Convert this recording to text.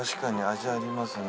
味ありますね。